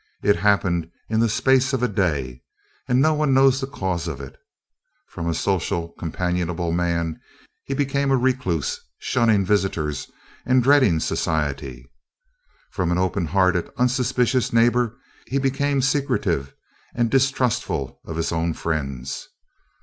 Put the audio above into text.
It happened in the space of a day, and no one knows the cause of it. From a social, companionable man, he became a recluse, shunning visitors and dreading society. From an open hearted, unsuspicious neighbour, he became secretive and distrustful of his own friends.